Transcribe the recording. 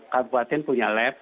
kabupaten punya lab